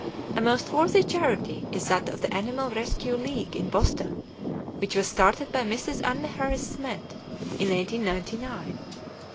A most worthy charity is that of the Animal Rescue League in Boston, which was started by Mrs. Anna Harris Smith in 1899.